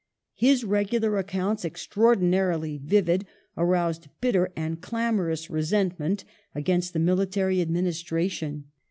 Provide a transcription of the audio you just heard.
His regular accounts, extraordinarily vivid, aroused bitter and clamorous resentment against the military administration.